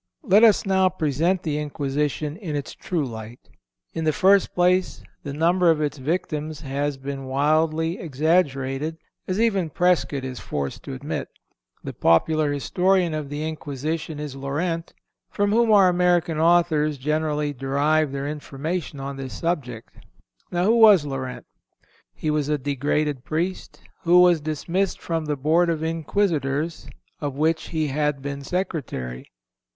Let us now present the Inquisition in its true light. In the first place, the number of its victims has been wildly exaggerated, as even Prescott is forced to admit. The popular historian of the Inquisition is Llorente, from whom our American authors generally derive their information on this subject. Now who was Llorente? He was a degraded Priest, who was dismissed from the Board of Inquisitors, of which he had been Secretary.